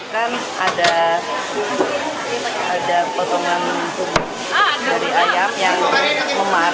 kan ada potongan dari ayam yang memar